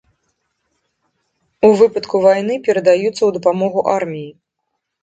У выпадку вайны перадаюцца ў дапамогу арміі.